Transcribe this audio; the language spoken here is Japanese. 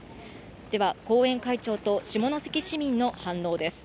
では、後援会長と、下関市民の反応です。